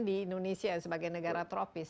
di indonesia sebagai negara tropis